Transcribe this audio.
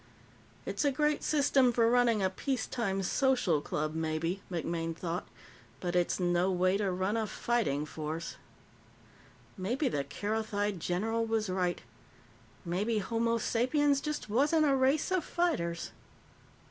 It's a great system for running a peacetime social club, maybe, MacMaine thought, but it's no way to run a fighting force. Maybe the Kerothi general was right. Maybe homo sapiens just wasn't a race of fighters.